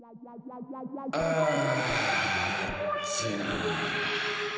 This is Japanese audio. あああっついなあ。